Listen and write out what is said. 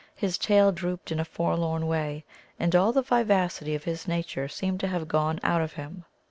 His tail drooped in a forlorn way, and all the vivacity of his nature seemed to have gone out of him.